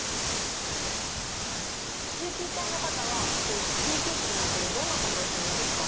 救急隊の方は救急車の中でどんなことをするんですか？